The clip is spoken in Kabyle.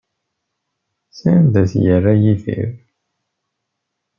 Sanda ay t-yerra Yidir?